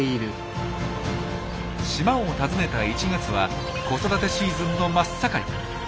島を訪ねた１月は子育てシーズンの真っ盛り。